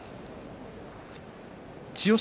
千代翔